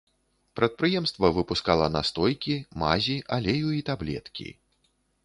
Прадпрыемства выпускала настойкі, мазі, алею і таблеткі.